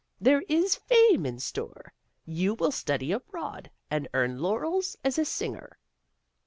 There is fame hi store. You will study abroad, and earn laurels as a singer."